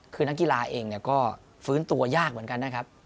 คือนักกีฬาเองก็ฟื้นตัวยากเหมือนกันนะครับ